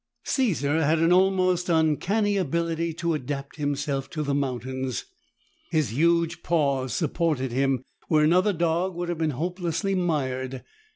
Caesar had an almost uncanny ability to adapt himself to the mountains. His huge paws supported him where another dog would have been hopelessly mired.